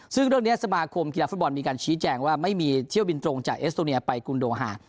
ซึ่งเรื่องนี้สมาคมกีฬาฟุตบอลมีการชี้แจงว่าไม่มีเที่ยวบินตรงจากเอสโตเนียไปกุลโดฮา